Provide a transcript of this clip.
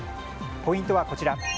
ポイントはこちら。